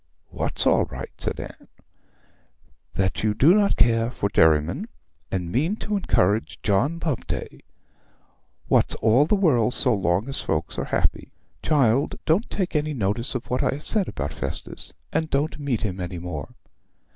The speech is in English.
'What's all right?' said Anne. 'That you do not care for Derriman, and mean to encourage John Loveday. What's all the world so long as folks are happy! Child, don't take any notice of what I have said about Festus, and don't meet him any more.'